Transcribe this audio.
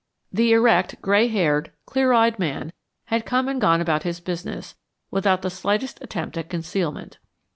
The erect, gray haired, clear eyed man had come and gone about his business, without the slightest attempt at concealment.